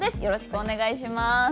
よろしくお願いします。